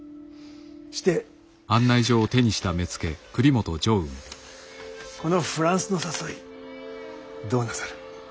してこのフランスの誘いどうなさる？